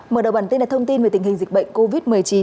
mở đầu bản tin là thông tin về tình hình dịch bệnh covid một mươi chín